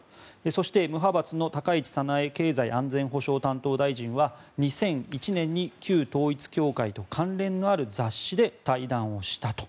そして無派閥の高市早苗経済安全保障担当大臣は２００１年に旧統一教会と関連のある雑誌で対談をしたと。